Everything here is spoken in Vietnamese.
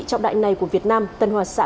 trong đại này của việt nam tân hòa xã